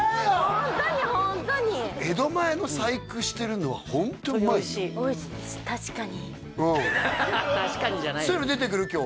ホントにホントに江戸前の細工してるのはホントうまいよ「確かに」じゃないよそういうの出てくる？